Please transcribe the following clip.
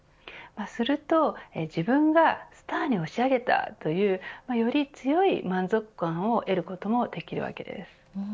すると自分がスターに押し上げたというより強い満足感を得ることもできるわけです。